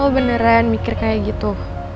oh beneran mikir kayak gitu